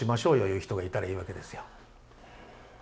いう人がいたらいいわけですよ。